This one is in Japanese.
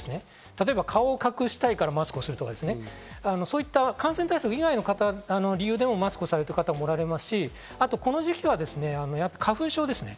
例えば顔を隠したいからマスクをするとか、そういった感染対策以外の理由でもマスクをされている方もおられますし、あとこの時期は花粉症ですね。